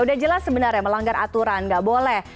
udah jelas sebenarnya melanggar aturan nggak boleh